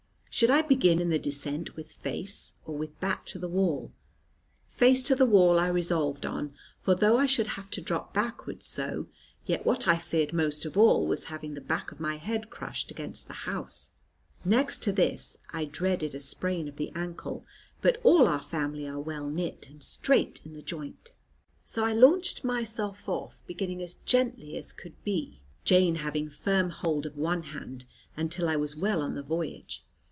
Should I begin the descent with face, or with back, to the wall? Face to the wall I resolved on, for though I should have to drop backward so, yet what I feared most of all was having the back of my head crushed against the house. Next to this I dreaded a sprain of the ankle, but all our family are well knit and straight in the joint. So I launched myself off, beginning as gently as could be, Jane having firm hold of one hand, until I was well on the voyage.